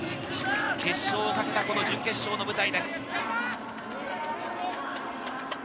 決勝をかけた準決勝の舞台です。